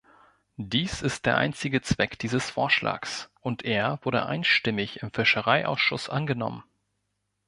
Dies ist der einzige Zweck dieses Vorschlags und er wurde einstimmig im Fischereiausschuss angenommen.